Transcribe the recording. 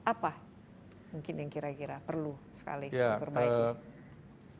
apa mungkin yang kira kira perlu sekali diperbaiki